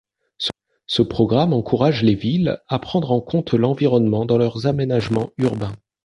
Ce programme encourage les villes à prendre en compte l’environnement dans leurs aménagements urbains.